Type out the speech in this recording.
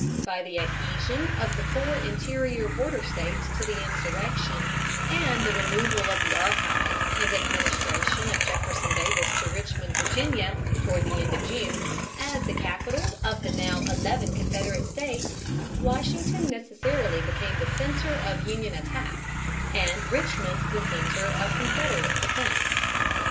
By the adhesion of the four interior border States to the insurrection, and the removal of the archives and administration of Jefferson Davis to Richmond, Virginia, toward the end of June, as the capital of the now eleven Confederate States, Washington necessarily became the center of Union attack, and Richmond the center of Confederate defense.